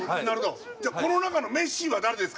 この中のメッシは誰ですか？